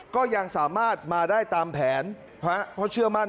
ก็ยังสามารถมาได้ตามแผนเพราะเชื่อมั่น